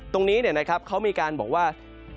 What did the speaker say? ตรงนี้เขามีการบอกว่า